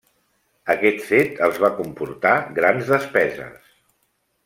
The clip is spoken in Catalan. Aquest fet els va comportar grans despeses.